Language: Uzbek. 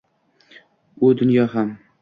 U dunyo ham —